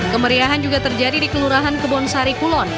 kemeriahan juga terjadi di kelurahan kebun sari kulon